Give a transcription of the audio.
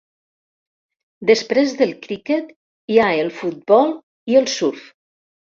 Després del criquet, hi ha el futbol i el surf.